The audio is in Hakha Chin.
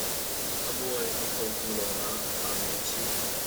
A mual a pho hnu lawngah aa ngaichih.